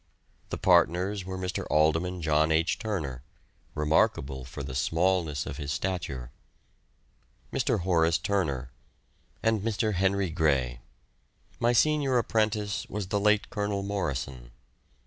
The partners were Mr. Alderman John H. Turner (remarkable for the smallness of his stature), Mr. Horace Turner, and Mr. Henry Grey. My senior apprentice was the late Colonel Morrison.